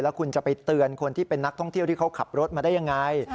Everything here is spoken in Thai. คุณจะไปเตือนคนที่เป็นนักท่องเที่ยวที่เขาขับรถมาได้ยังไง